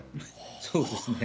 そうですね。